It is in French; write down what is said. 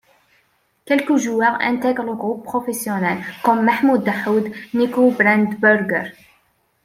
Quelques joueurs intègrent le groupe professionnel comme Mahmoud Dahoud, Nico Brandenburger.